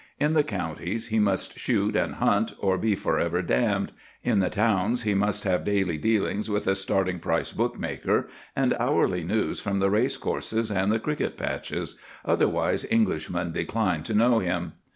In the counties he must shoot and hunt, or be for ever damned. In the towns he must have daily dealings with a starting price bookmaker and hourly news from the race courses and the cricket pitches, otherwise Englishmen decline to know him.